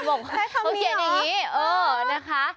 ว่ะฮะใช่คำนี้เหรอน้ำบกเขาเขียนอย่างนี้เออนะคะ